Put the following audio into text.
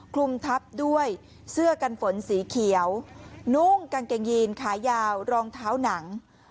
คลุมทับด้วยเสื้อกันฝนสีเขียวนุ่งกางเกงยีนขายาวรองเท้าหนัง